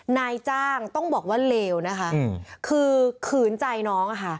นายจ้างต้องบอกว่าเลวนะคะคือขืนใจน้องอะค่ะ